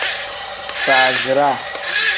Faaziraa.